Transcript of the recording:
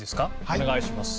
お願いします。